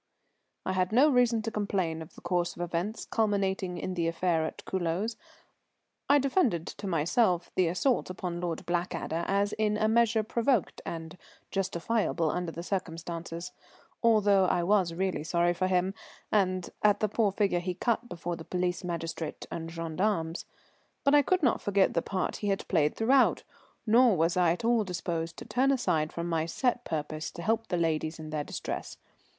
_] I had no reason to complain of the course of events culminating in the affair at Culoz. I defended to myself the assault upon Lord Blackadder as in a measure provoked and justifiable under the circumstances, although I was really sorry for him and at the poor figure he cut before the police magistrate and gendarmes. But I could not forget the part he had played throughout, nor was I at all disposed to turn aside from my set purpose to help the ladies in their distress.